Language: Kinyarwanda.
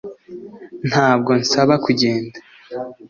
ntabwo nsaba kugenda